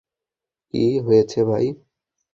কি হয়েছে ভাই?